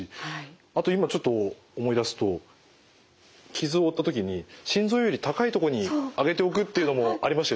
あと今ちょっと思い出すと傷を負った時に心臓より高い所に上げておくというのもありましたよね。